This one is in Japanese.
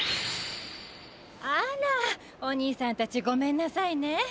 あらおにいさんたちごめんなさいね。